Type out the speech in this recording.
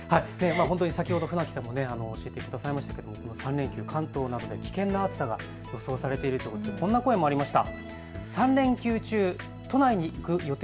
先ほど船木さんも言ってくださいましたけれど３連休、関東などで危険な暑さが予想されていると思うのでこんな声がありました。